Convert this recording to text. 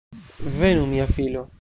Venu mia filo!